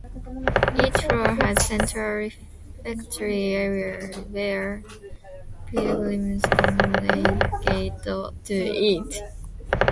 Each floor has a central refectory area where pilgrims congregate to eat.